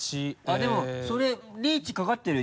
でもそれリーチかかってるよ